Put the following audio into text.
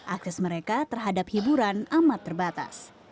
akses mereka terhadap hiburan amat terbatas